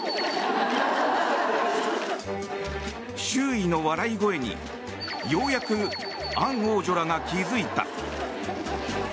周囲の笑い声にようやくアン王女らが気付いた。